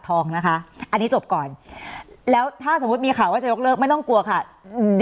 สนับสนุนโดยพี่โพเพี่ยวสะอาดใสไร้คราบ